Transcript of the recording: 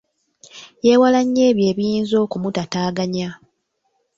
Yeewala nnyo ebyo ebiyinza okumutaataaganya.